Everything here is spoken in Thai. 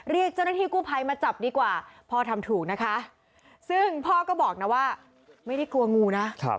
เรียกเจ้าหน้าที่กู้ภัยมาจับดีกว่าพ่อทำถูกนะคะซึ่งพ่อก็บอกนะว่าไม่ได้กลัวงูนะ